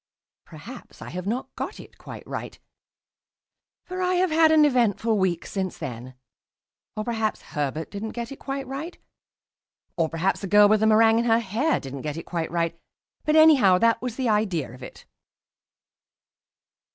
Perhaps I have not got it quite right, for I have had an eventful week since then; or perhaps Herbert didn't get it quite right; or perhaps the girl with the meringue in her hair didn't get it quite right; but anyhow, that was the idea of it.